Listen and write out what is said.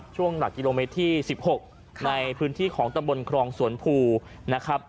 ช่วงหลักกิโลเมตรที่๑๖ในพื้นที่ของตำบลครองสวนภูนะครับ